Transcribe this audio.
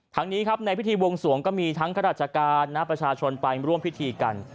นี้ครับในพิธีวงสวงก็มีทั้งข้าราชการณประชาชนไปร่วมพิธีกัน